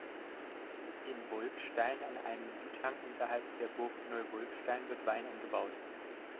In Wolfstein, an einem Südhang unterhalb der Burg Neu-Wolfstein, wird Wein angebaut.